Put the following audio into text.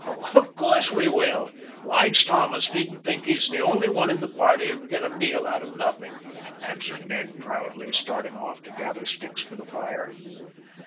"Of course we will. Lige Thomas needn't think he's the only one in the party who can get a meal out of nothing," answered Ned proudly, starting off to gather sticks for the fire.